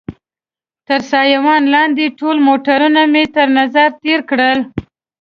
تر سایوان لاندې ټول موټرونه مې تر نظر تېر کړل.